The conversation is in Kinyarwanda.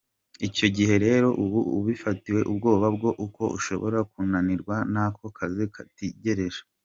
Icyo gihe rero uba ufiteubwoba bwo’uko ushobora kunanirwa n’ako kazi kagutegereje.